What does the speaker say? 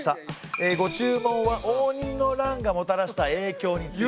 えご注文は応仁の乱がもたらした影響について。